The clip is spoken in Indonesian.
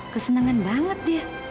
kesenangan banget dia